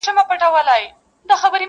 هغو وژلي هغوی تباه کړو -